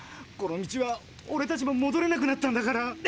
この道はオレたちももどれなくなったんだから。